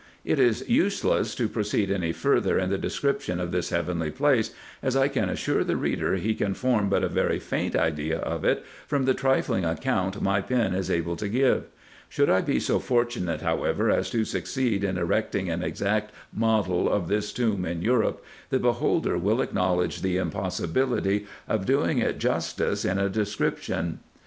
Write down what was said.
It is useless to proceed any further in the description of this heavenly place, as I can assure the reader he can form but a very faint idea of it from the trifling account my pen is able to give ; should I be so fortunate, however, as to succeed in erecting an exact model of this tomb in Europe, the beholder will acknowledge the impossibility of doing it justice in a description.